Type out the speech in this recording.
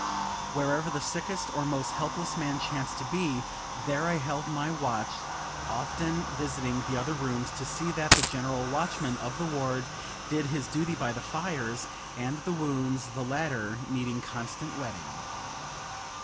Wherever the sickest or most helpless man chanced to be, there I held my watch, often visiting the other rooms, to see that the general watchman of the ward did his duty by the fires and the wounds, the latter needing constant wetting.